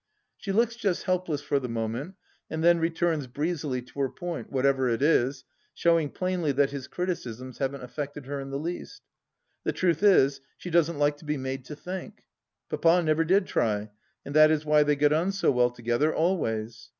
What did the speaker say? She just looks helpless for the moment and then returns breezily to her point, whatever it is, showing plainly that his criticisms haven't affected her in the least. The truth is, she doesn't like to be made to think. Papa never did try, and that is why they got on so well together, always.